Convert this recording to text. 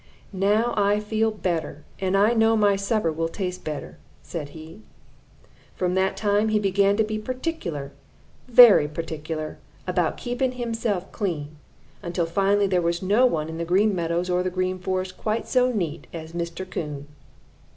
'Now I feel better, and I know my supper will taste better,' said he. "From that time he began to be particular, very particular, about keeping himself clean, until finally there was no one on the Green Meadows or in the Green Forest quite so neat as Mr. Coon.